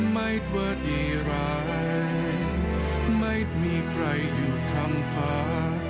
ไม่ว่าดีร้ายไม่มีใครอยู่คำฟ้า